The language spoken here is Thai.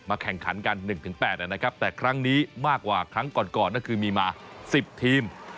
แข่งขันกัน๑๘นะครับแต่ครั้งนี้มากกว่าครั้งก่อนก็คือมีมา๑๐ทีม